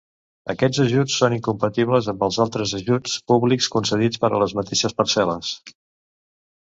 Aquests ajuts són incompatibles amb altres ajuts públics concedits per a les mateixes parcel·les.